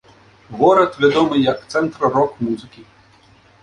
Горад вядомы як цэнтр рок-музыкі.